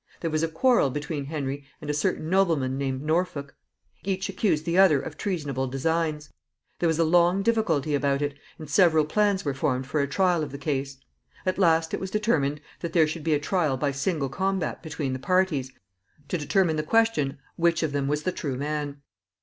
There was a quarrel between Henry and a certain nobleman named Norfolk. Each accused the other of treasonable designs. There was a long difficulty about it, and several plans were formed for a trial of the case. At last it was determined that there should be a trial by single combat between the parties, to determine the question which of them was the true man.